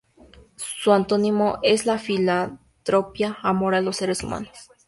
Su antónimo es la filantropía: amor a los seres humanos.